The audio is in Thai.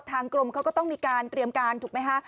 กรมเขาก็ต้องมีการเตรียมการถูกไหมคะ